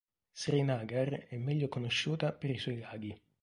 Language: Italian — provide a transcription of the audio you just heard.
Srinagar è meglio conosciuta per i suoi laghi.